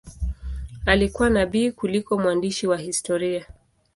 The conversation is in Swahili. Alikuwa nabii kuliko mwandishi wa historia.